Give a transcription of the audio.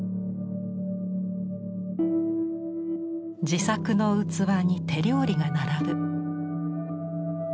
自作の器に手料理が並ぶ。